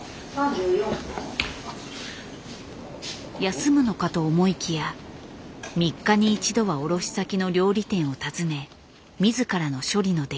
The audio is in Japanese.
休むのかと思いきや３日に１度は卸先の料理店を訪ね自らの処理の出来を確認するという。